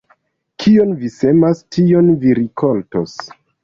Kion vi semas, tion vi rikoltos.